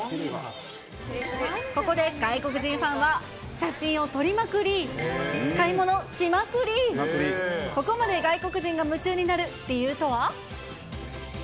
ここで外国人ファンは、写真を撮りまくり、買い物しまくり、ここまで外国人が夢中になる理由とは？